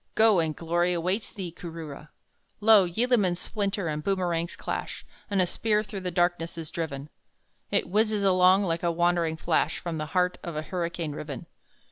Go! and glory awaits thee, Kooroora! Lo! yeelamans splinter and boomerangs clash, And a spear through the darkness is driven It whizzes along like a wandering flash From the heart of a hurricane riven.